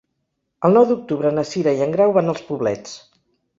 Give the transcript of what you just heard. El nou d'octubre na Cira i en Grau van als Poblets.